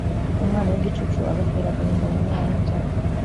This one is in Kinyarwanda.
umwana w'igicucu agatera agahinda nyina wamubyaye